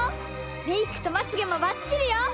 メークとまつげもばっちりよ！